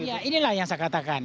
ya inilah yang saya katakan